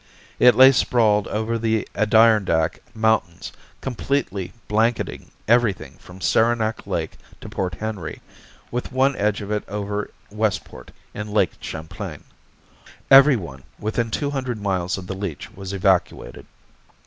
It lay sprawled over the Adirondack Mountains, completely blanketing everything from Saranac Lake to Port Henry, with one edge of it over Westport, in Lake Champlain. Everyone within two hundred miles of the leech was evacuated.